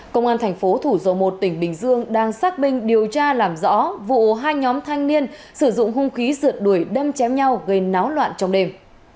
công an thành phố thủ dầu một tỉnh bình dương đang xác minh điều tra làm rõ vụ hai nhóm thanh niên sử dụng hung khí rượt đuổi đâm chém nhau gây náo loạn trong đêm